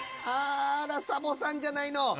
あらサボさんじゃないの！